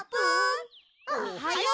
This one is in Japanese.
おっはよう！